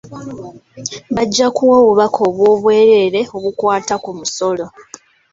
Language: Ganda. Bajja kuwa obubaka obw'obwereere obukwata ku musolo.